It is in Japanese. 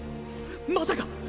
まさか！